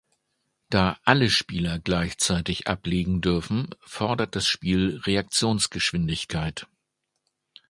Da alle Spieler gleichzeitig ablegen dürfen, fordert das Spiel Reaktionsgeschwindigkeit.